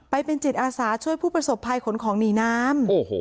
ไปเป็นจิตอาสาช่วยผู้ประสบภัยขนของหนีน้ำ